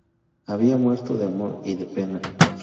Había muerto de amor y de pena.